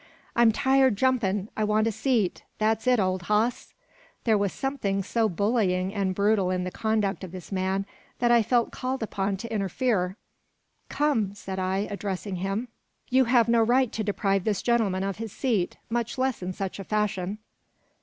"I'm tired jumpin'. I want a seat, that's it, old hoss." There was something so bullying and brutal in the conduct of this man, that I felt called upon to interfere. "Come!" said I, addressing him, "you have no right to deprive this gentleman of his seat, much less in such a fashion."